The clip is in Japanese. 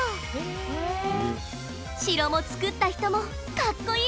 城もつくった人もかっこいい！